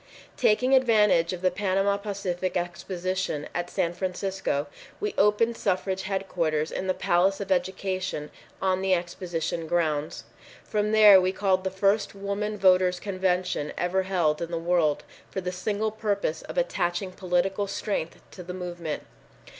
Taking advantage of the Panama Pacific Exposition in San Francisco, we opened suffrage headquarters in the Palace of Education on the exposition grounds. From there we called the first Woman Voters' Convention ever held in the world for the single purpose of attaching political strength to the movement.